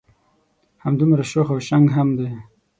همدمره شوخ او شنګ هم دی.